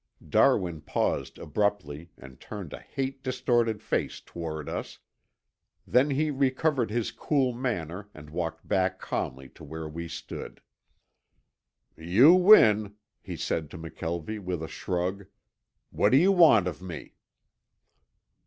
Darwin paused abruptly and turned a hate distorted face toward us, then he recovered his cool manner and walked back calmly to where we stood. "You win," he said to McKelvie with a shrug. "What do you want of me?"